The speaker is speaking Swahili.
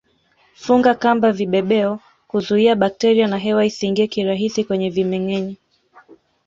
Funga kamba vibebeo kuzuia bakteria na hewa isiingie kirahisi kwenye vimengenywa